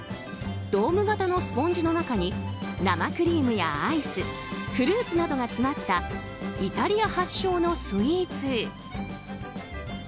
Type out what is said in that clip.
ドーム型のスポンジの中に生クリームやアイスフルーツなどが詰まったイタリア発祥のスイーツ。